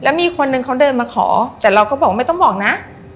มีคนนึงเขาเดินมาขอแต่เราก็บอกว่าไม่ต้องบอกนะ